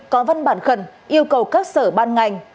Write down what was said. có văn bản khẩn yêu cầu các sở ban ngành